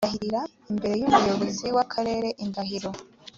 barahira imbere y umuyobozi w akarere indahiro